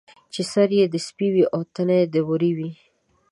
چې سر یې د سپي وي او تنه یې د وري وي.